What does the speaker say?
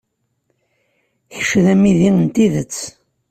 Kečč d amidi n tidet.